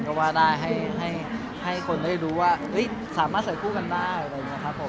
ก็ว่าได้ให้คนได้รู้ว่าสามารถใส่คู่กันได้